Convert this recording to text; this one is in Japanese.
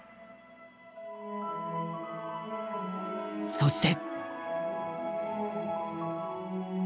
そして